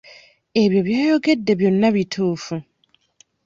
Ebyo by'oyogedde byonna bituufu.